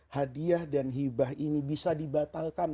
hadiah dan hibah ini bisa dibatalkan